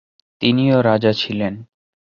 তিনিও রাজা ছিলেন।